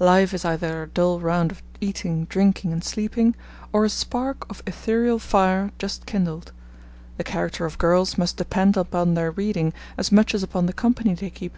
Life is either a dull round of eating, drinking, and sleeping, or a spark of ethereal fire just kindled. ... The character of girls must depend upon their reading as much as upon the company they keep.